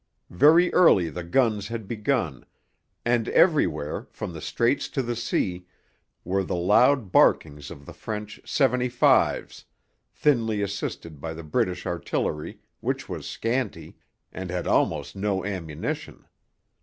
Very early the guns had begun, and everywhere, from the Straits to the sea, were the loud barkings of the French 'seventy fives,' thinly assisted by the British artillery, which was scanty, and had almost no ammunition.